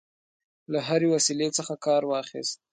له هري وسیلې څخه کارواخیست.